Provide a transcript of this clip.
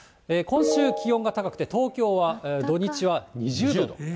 今週、気温が高くて、東京は土日は２０度。